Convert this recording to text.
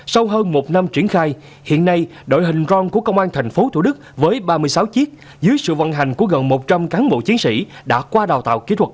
sau hơn một năm triển khai hiện nay đội hình rong của công an tp thủ đức với ba mươi sáu chiếc dưới sự vận hành của gần một trăm linh cán bộ chiến sĩ đã qua đào tạo kỹ thuật